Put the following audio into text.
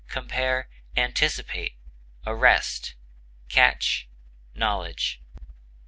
Compare ANTICIPATE; ARREST; CATCH; KNOWLEDGE.